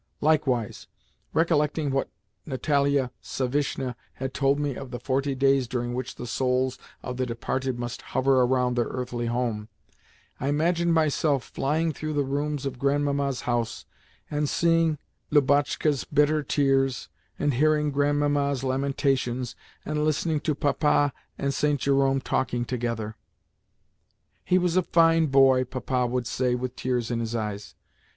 Likewise, recollecting what Natalia Savishna had told me of the forty days during which the souls of the departed must hover around their earthly home, I imagined myself flying through the rooms of Grandmamma's house, and seeing Lubotshka's bitter tears, and hearing Grandmamma's lamentations, and listening to Papa and St. Jerome talking together. "He was a fine boy," Papa would say with tears in his eyes.